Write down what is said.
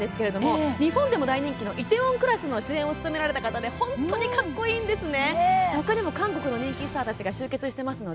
日本でも大人気の「梨泰院クラス」の主演を務められた方で本当にかっこいいですね。